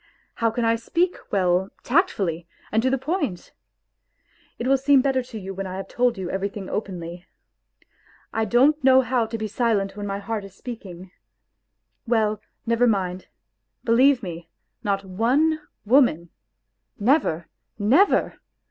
How can I speak well, tactfully, and to the point ? It will seem better to you when I have told you everything openly. ... I don't know how to be silent when my heart is speaking. Well, never mind. ... Belie_ve__me, not jone, woman, never, never